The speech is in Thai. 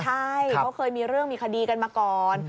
ใช่เขาเคยมีเรื่องมีคดีกันมาก่อน